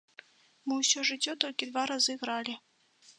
Мы за ўсё жыццё толькі два разы гралі.